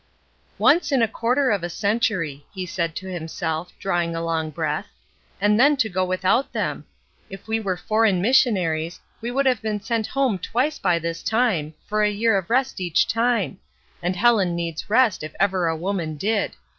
''Once in a quarter of a century," he said to himself, drawing a long breath, ''and then to go without them ! If we were foreign missionaries, we would have been sent home twice by this time, for a year of rest each time ; and Helen needs rest if ever a woman did.